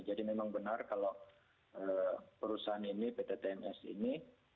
memang benar kalau perusahaan ini pt tms ini